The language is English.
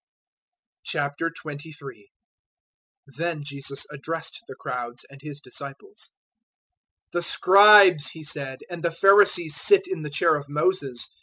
023:001 Then Jesus addressed the crowds and His disciples. 023:002 "The Scribes," He said, "and the Pharisees sit in the chair of Moses.